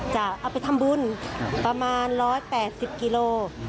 จะเอาไปทำบุญประมาณ๑๘๐กิโล